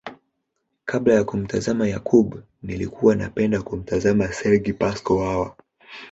Kabla ya kumtazama Yakub nilikuwa napenda kumtazama Sergi Paschal Wawa